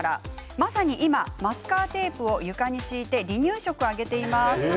まさに今、マスカーテープを床に敷いて離乳食をあげています。